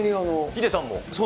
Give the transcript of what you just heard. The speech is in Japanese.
ヒデさんも？